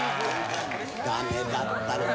ダメだったなぁ。